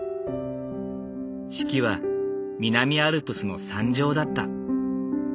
式は南アルプスの山上だった。